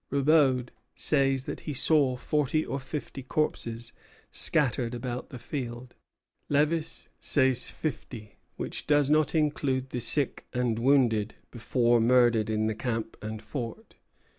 Roubaud says that he saw forty or fifty corpses scattered about the field. Lévis says fifty; which does not include the sick and wounded before murdered in the camp and fort.